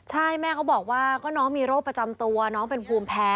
ใช่แม่เขาบอกว่าก็น้องมีโรคประจำตัวน้องเป็นภูมิแพ้